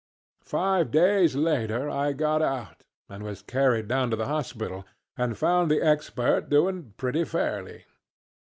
Five days later I got out and was carried down to the hospital, and found the Expert doing pretty fairly.